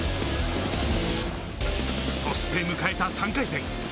そして迎えた３回戦。